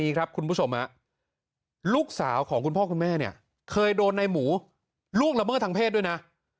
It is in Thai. คุณผู้ชมลูกสาวของคุณพ่อคุณแม่เนี่ยเคยโดนในหมูล่วงละเมิดทางเพศด้วยนะ